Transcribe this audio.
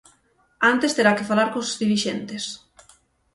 Antes terá que falar cos dirixentes.